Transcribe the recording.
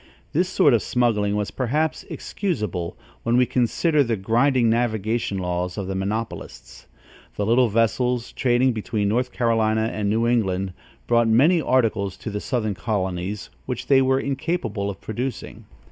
This sort of smuggling was perhaps excusable, when we consider the grinding navigation laws of the monopolists. The little vessels, trading between North Carolinia and New England, brought many articles to the southern colonies, which they were incapable of producing.